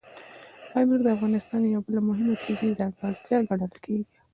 پامیر د افغانستان یوه بله مهمه طبیعي ځانګړتیا ګڼل کېږي.